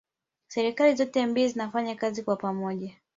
serikali zote mbili zinafanya kazi kwa pamoja